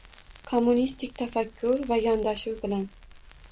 kommunistik tafakkur va yondashuv bilan